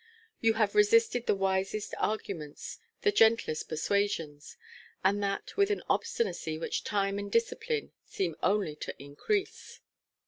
You have resisted the wisest arguments, the gentlest persuasions, and that with an obstinacy which time and discipline seem only to increase.